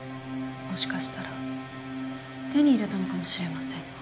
もしかしたら手に入れたのかもしれません。